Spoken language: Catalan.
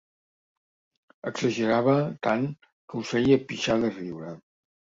Exagerava tant que us feia pixar de riure.